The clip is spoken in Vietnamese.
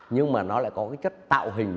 nhưng mà nó lại có cái chất tạo hình